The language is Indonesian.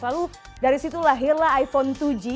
lalu dari situ lahirlah iphone dua g